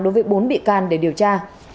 đối với bốn bị can để điều tra